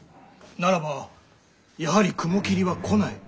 ならばやはり雲霧は来ない？